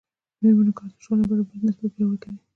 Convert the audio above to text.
د میرمنو کار د ټولنې برابرۍ بنسټ پیاوړی کوي.